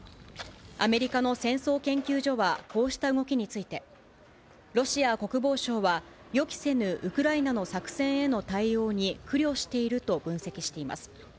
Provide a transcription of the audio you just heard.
アメリカの戦争研究所はこうした動きについて、ロシア国防省は、予期せぬウクライナの作戦への対応に苦慮していると分析しています。